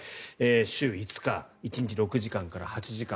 週５日、１日６時間から８時間。